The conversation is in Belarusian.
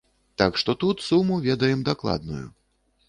Так што тут суму ведаем дакладную.